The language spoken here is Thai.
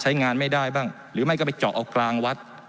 ใช้งานไม่ได้บ้างหรือไม่ก็ไปเจาะเอากลางวัด